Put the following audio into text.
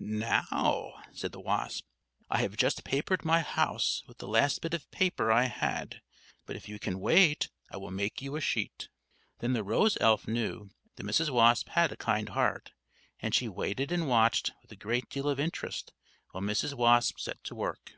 "Now," said the wasp, "I have just papered my house with the last bit of paper I had, but if you can wait, I will make you a sheet." Then the rose elf knew that Mrs. Wasp had a kind heart; and she waited and watched with a great deal of interest while Mrs. Wasp set to work.